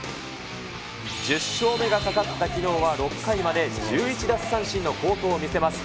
１０勝目がかかったきのうは、６回まで１１奪三振の好投を見せます。